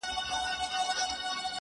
په هغې باندي چا کوډي کړي_